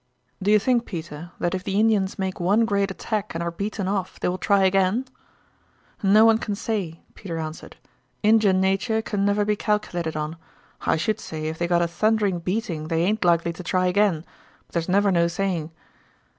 "Do you think, Peter, that if the Indians make one great attack and are beaten off they will try again?" "No one can say," Peter answered. "Injun natur' can't never be calkilated on. I should say if they got a thundering beating they aint likely to try again; but there's never no saying."